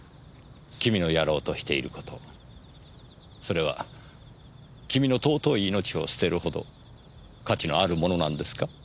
君のやろうとしている事それは君の尊い命を捨てるほど価値のあるものなんですか？